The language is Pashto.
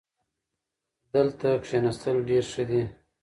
دلته کښېناستل ډېر ښه دي.